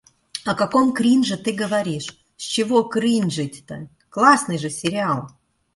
О каком кринже ты говоришь? С чего кринжить-то, классный же сериал!